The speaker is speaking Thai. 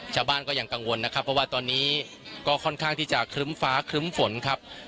ชาวบ้านก็ยังกังวลนะครับเพราะว่าตอนนี้ก็ค่อนข้างที่จะครึ้มฟ้าครึ้มฝนครับ